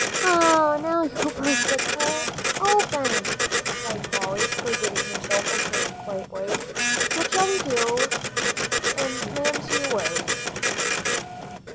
"Oh, now you've burst open the cut," cried Polly, forgetting herself, and turning quite white. "What shall we do, and Mamsie away!"